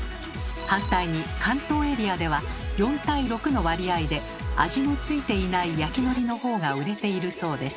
反対に関東エリアでは４対６の割合で味の付いていない焼きのりのほうが売れているそうです。